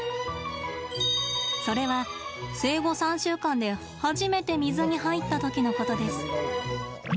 それは、生後３週間で初めて水に入ったときのことです。